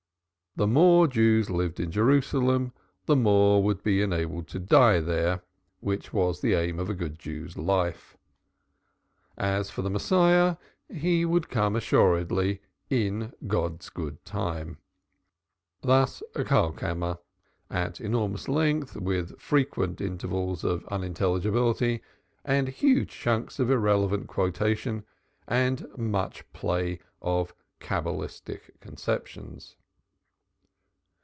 The more Jews lived in Jerusalem the more would be enabled to die there which was the aim of a good Jew's life. As for the Messiah, he would come assuredly in God's good time. Thus Karlkammer at enormous length with frequent intervals of unintelligibility and huge chunks of irrelevant quotation and much play of Cabalistic conceptions.